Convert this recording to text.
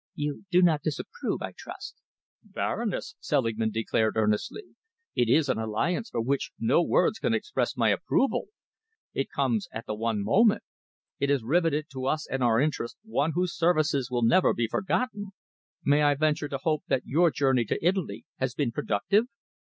"You do not disapprove, I trust?" "Baroness," Selingman declared earnestly, "it is an alliance for which no words can express my approval. It comes at the one moment. It has riveted to us and our interests one whose services will never be forgotten. May I venture to hope that your journey to Italy has been productive?"